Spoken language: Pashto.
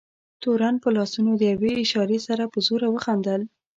تورن په لاسونو د یوې اشارې سره په زوره وخندل.